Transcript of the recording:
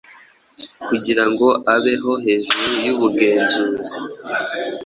Kugira ngo abeho hejuru yubugenzuzi.